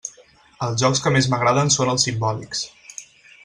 Els jocs que més m'agraden són els simbòlics.